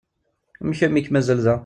Amek armi i k-mazal da?